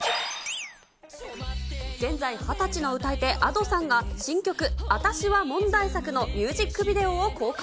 現在２０歳の歌い手、Ａｄｏさんが、新曲、アタシは問題作のミュージックビデオを公開。